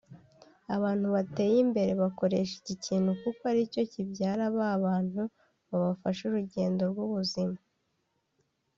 Abantu bateye imbere bakoresha iki kintu kuko aricyo kibyara b’abantu babafasha urugendo rw’ubuzima